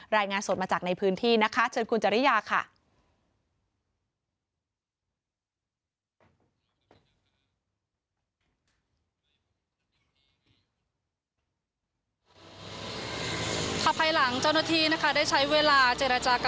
รายงานสดมาจากในพื้นที่นะคะเชิญคุณจริยาค่ะ